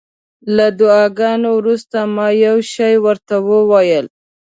له دعاګانو وروسته ما یو شی ورته وویل.